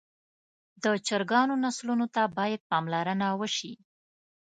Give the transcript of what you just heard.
د چرګانو نسلونو ته باید پاملرنه وشي.